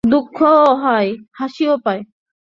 দুঃখুও হয়, হাসিও পায়।